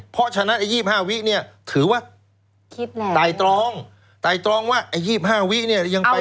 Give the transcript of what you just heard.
เพราะฉะนั้นไอ๒๕วินี่ถือว่าตายตรองตายตรองว่าไอ๒๕วินี่ยังไป